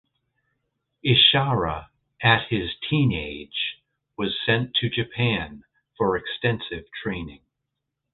Ishara at his teenage was sent to Japan for extensive training.